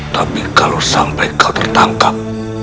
tapi kalau sampai kau tertangkap